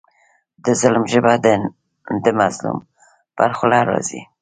د ظالم ژبه د مظلوم پر خوله راځي.